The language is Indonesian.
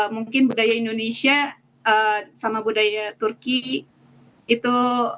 mungkin budaya indonesia sama budaya turki itu